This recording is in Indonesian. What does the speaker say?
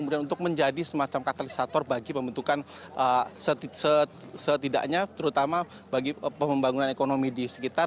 kemudian untuk menjadi semacam katalisator bagi pembentukan setidaknya terutama bagi pembangunan ekonomi di sekitar